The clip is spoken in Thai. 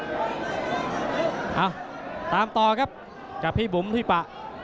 เอ้าตามต่อกับพี่บุ๋มพี่ปะ